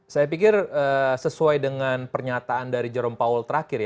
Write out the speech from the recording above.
saya pikir sesuai dengan pernyataan dari jerome powell terakhir ya